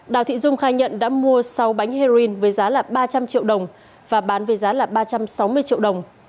đào thị dung khai nhận đã mua sáu bánh heroin với giá ba trăm linh triệu đồng và bán về giá là ba trăm sáu mươi triệu đồng